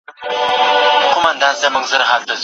لوستونکي د شعر په لوستلو پوهیږي.